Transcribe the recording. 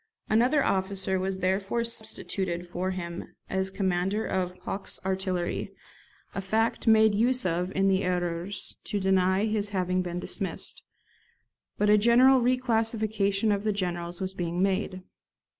Another officer was therefore substituted for him as commander of Hoches artillery, a fact made use of in the Erreurs (p. 31) to deny his having been dismissed But a general re classification of the generals was being made.